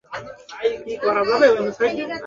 এর সংবাদ তোমরা অবশ্যই জানবে কিছুকাল পরে।